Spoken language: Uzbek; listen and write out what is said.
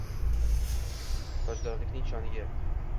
Tojdorlikning shoniga